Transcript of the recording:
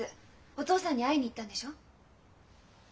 お父さんに会いに行ったんでしょ？